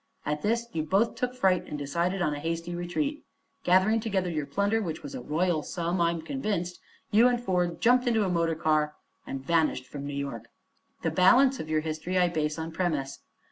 At this you both took fright and decided on a hasty retreat. Gathering together your plunder which was a royal sum, I'm convinced you and Ford jumped into a motor car and vanished from New York. "The balance of your history I base on premise.